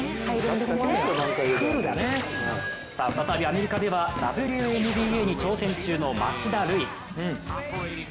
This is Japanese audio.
再びアメリカではＷＮＢＡに挑戦中の町田瑠唯。